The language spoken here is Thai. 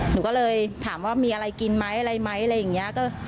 หนูก็เลยถามว่ามีอะไรกินไหมอะไรไหมอะไรอย่างนี้